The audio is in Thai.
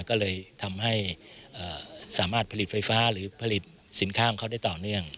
ก็เลยทำให้สามารถผลิตไฟฟ้าหรือผลิตสินค้าของเขาได้ต่อเนื่อง